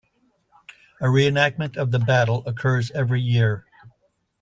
A reenactment of the battle occurs every year.